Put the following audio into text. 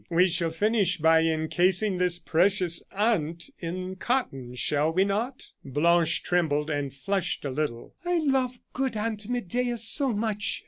We shall finish by encasing this precious aunt in cotton, shall we not?" Blanche trembled, and flushed a little. "I love good Aunt Medea so much!"